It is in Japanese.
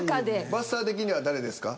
ばっさー的には誰ですか？